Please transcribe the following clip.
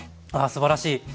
すばらしい。